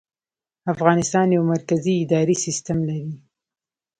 افغانستان یو مرکزي اداري سیستم لري